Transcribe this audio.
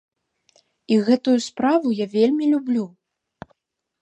І гэтую справу я вельмі люблю.